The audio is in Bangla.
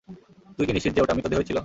তুই কি নিশ্চিত যে ওটা মৃতদেহই ছিল?